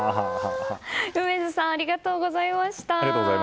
梅津さんありがとうございました。